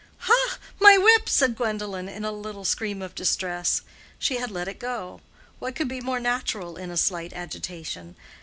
"Ha! my whip!" said Gwendolen, in a little scream of distress. She had let it go—what could be more natural in a slight agitation?